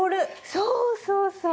そうそうそう。